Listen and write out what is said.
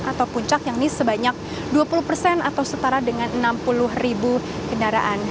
atau puncak yang ini sebanyak dua puluh persen atau setara dengan enam puluh ribu kendaraan